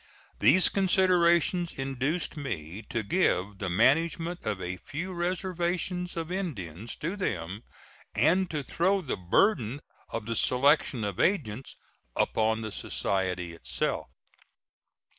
These considerations induced me to give the management of a few reservations of Indians to them and to throw the burden of the selection of agents upon the society itself.